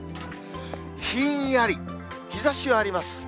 ひんやり、日ざしはあります。